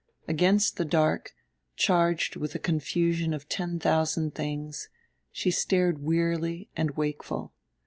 Against the dark, charged with a confusion of the ten thousand things, she stared wearily and wakeful.